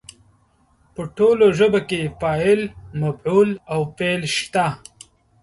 په ټولو ژبو کې فاعل، مفعول او فعل شته.